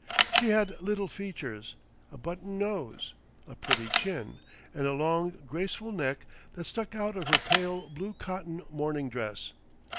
She had little features, a button nose, a pretty chin and a long graceful neck that stuck out of her pale blue cotton morning dress.